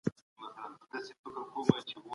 د احمد شاه ابدالي د ماتو څخه کوم درسونه اخیستل کیږي؟